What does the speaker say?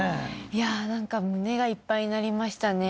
いや胸がいっぱいになりましたね